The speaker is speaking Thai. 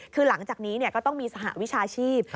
คือหลังจากนี้ก็ต้องมีสหวิชาชีพ